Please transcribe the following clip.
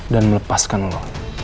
dan melepaskan lo